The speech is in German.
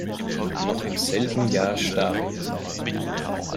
Noch im selben Jahr starb er.